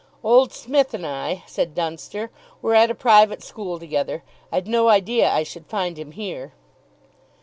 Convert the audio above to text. "Old Smith and I," said Dunster, "were at a private school together. I'd no idea I should find him here."